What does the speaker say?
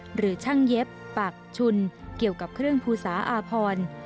หรือช่างเย็บปากชุนเกี่ยวกับเครื่องภูสาอาพร